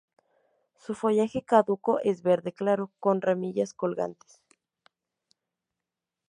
Su follaje caduco es verde claro, con ramillas colgantes.